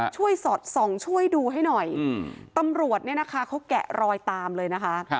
สอดส่องช่วยดูให้หน่อยตำรวจเนี่ยนะคะเขาแกะรอยตามเลยนะคะ